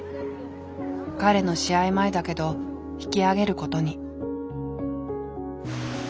彼の試合前だけど引きあげることに。